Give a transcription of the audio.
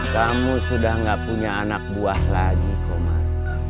kamu sudah gak punya anak buah lagi komar